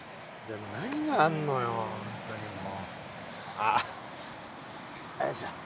あっよいしょ。